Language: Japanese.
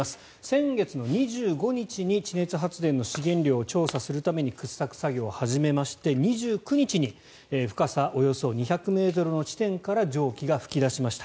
先月２５日に地熱発電の資源量を調査するために掘削作業を始めまして２９日に深さおよそ２００ｍの地点から蒸気が噴き出しました。